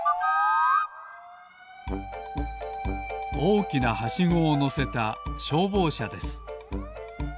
おおきなはしごをのせたしょうぼうしゃです。